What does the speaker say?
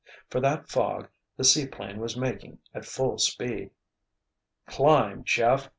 For that fog the seaplane was making at full speed. "Climb, Jeff!"